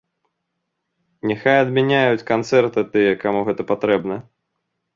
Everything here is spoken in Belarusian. Няхай адмяняюць канцэрты тыя, каму гэта патрэбна.